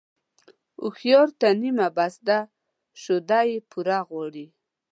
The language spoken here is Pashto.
هوښيار ته نيمه بس ده ، شوده يې پوره غواړي.